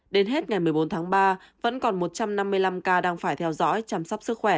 đến hết ngày một mươi bốn tháng ba vẫn còn một trăm năm mươi năm ca đang phải theo dõi chăm sóc sức khỏe